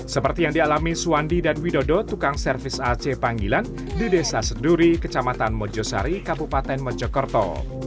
seperti yang dialami suwandi dan widodo tukang servis ac panggilan di desa seduri kecamatan mojosari kabupaten mojokerto